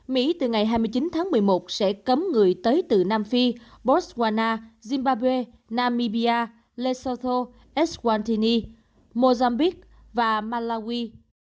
mỹ từ ngày hai mươi chín tháng một mươi một sẽ cấm người tới từ nam phi botswana zimbabwe namibia lesotho eswatini mozambique và malawi